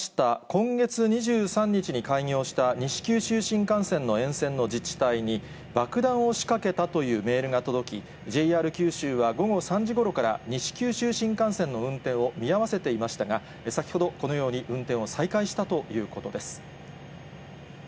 今月２３日に開業した西九州新幹線の沿線の自治体に、爆弾を仕掛けたというメールが届き、ＪＲ九州は午後３時ごろから、西九州新幹線の運転を見合わせていましたが、先ほどこのように、運転を再開したということです。